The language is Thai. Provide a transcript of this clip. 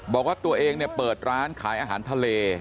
บอกว่าตัวเองเนี่ยเปิดร้านขายอาหารทะเล